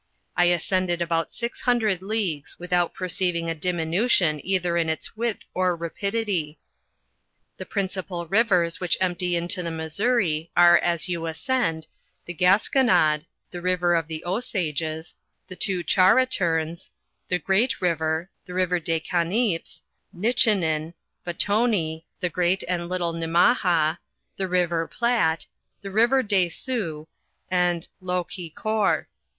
I ascended about six hundred leagues, without perceiving a diminution either in its width or rapidity. The principal rivers which empty into the Missouri are as you ascend, the Gasconade, the river of the Usages, the two Charaturns, the Great river, the river Des Cariips, Nichinen, Batoiiey, the Great and little Nimaha, the river Platte, the river des Sioux, and L'Eau Qui Court.